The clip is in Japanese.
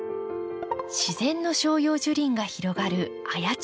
自然の照葉樹林が広がる綾町。